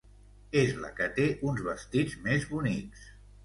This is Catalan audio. És la que té uns vestits més bonics.